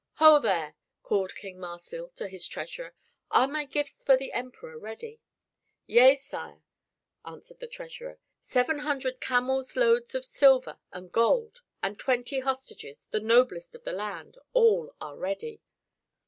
"Ho there!" called King Marsil to his treasurer, "are my gifts for the Emperor ready?" "Yea, Sire," answered the treasurer, "seven hundred camels' load of silver and gold and twenty hostages, the noblest of the land; all are ready."